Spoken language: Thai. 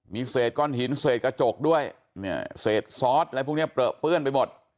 มีเศษก้อนหินเศษกระจกด้วยเนี่ยเศษซอสอะไรพวกนี้เปลือเปื้อนไปหมด